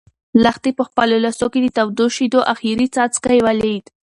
لښتې په خپلو لاسو کې د تودو شيدو اخري څاڅکی ولید.